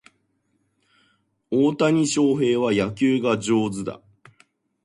大谷翔平は野球が上手だ